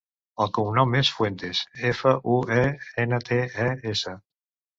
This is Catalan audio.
El cognom és Fuentes: efa, u, e, ena, te, e, essa.